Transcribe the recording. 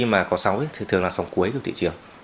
mà có sóng thì thường là sóng cuối của thị trường